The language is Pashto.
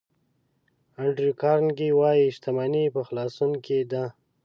انډریو کارنګي وایي شتمني په خلاصون کې ده.